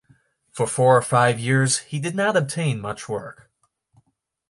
For four or five years he did not obtain much work.